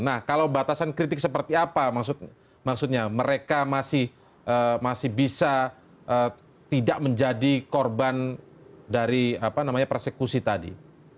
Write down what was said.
nah kalau batasan kritik seperti apa maksudnya mereka masih bisa tidak menjadi korban dari persekusi tadi